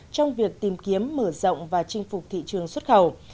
trong việc tìm kiếm mở rộng và chinh phục thị trường xuất khẩu